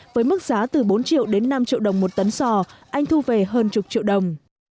với mức giá từ bốn triệu đến năm triệu đồng một tấn sò anh thu về hơn chục triệu đồng